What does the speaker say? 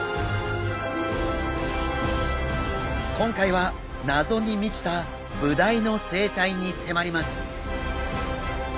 今回は謎に満ちたブダイの生態に迫ります。